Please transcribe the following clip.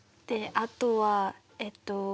であとはえっと